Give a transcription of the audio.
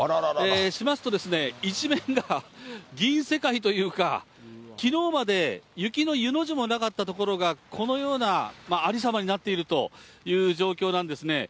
しますとですね、一面が銀世界というか、きのうまで、雪のゆの字もなかった所が、このような有様になっているという状況なんですね。